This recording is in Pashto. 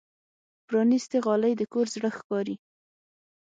پرانستې غالۍ د کور زړه ښکاري.